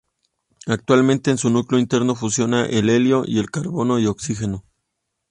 Actualmente, en su núcleo interno fusiona el helio en carbono y oxígeno.